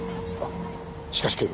しかし警部